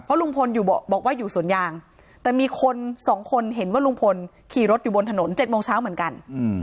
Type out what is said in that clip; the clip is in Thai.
ลุงพลอยู่บอกว่าอยู่สวนยางแต่มีคนสองคนเห็นว่าลุงพลขี่รถอยู่บนถนน๗โมงเช้าเหมือนกัน